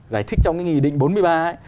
giải thích trong cái nghị định bốn mươi ba ấy